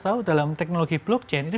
tahu dalam teknologi blockchain itu